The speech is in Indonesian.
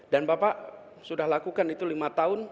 dan bapak sudah lakukan itu lima tahun